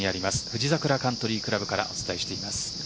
富士桜カントリー倶楽部からお伝えしています。